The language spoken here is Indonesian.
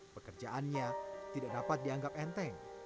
pekerjaannya tidak dapat dianggap enteng